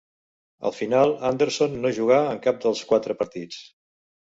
Al final Anderson no jugà en cap dels quatre partits.